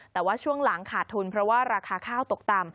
แต่ว่าช่วงหลังขาดทุนเพราะว่าราคาข้าวตกต่ำ